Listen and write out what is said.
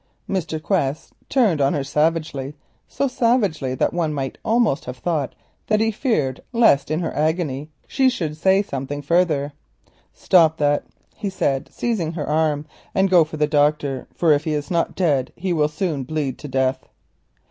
Mr. Quest turned on her savagely; so savagely that one might almost have thought he feared lest in her agony she should say something further. "Stop that," he said, seizing her arm, "and go for the doctor, for if he is not dead he will soon bleed to death."